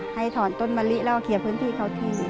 ให้ถอนต้นมะลิแล้วก็เคลียร์พื้นที่เขาทิ้ง